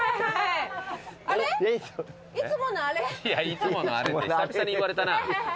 いつものあれって久々に言われたな。